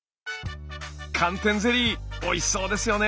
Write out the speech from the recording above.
寒天ゼリーおいしそうですよね。